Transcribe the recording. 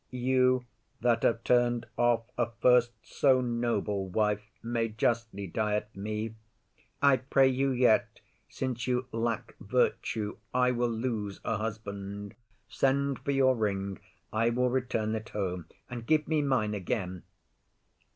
You that have turn'd off a first so noble wife May justly diet me. I pray you yet,— Since you lack virtue, I will lose a husband— Send for your ring, I will return it home, And give me mine again.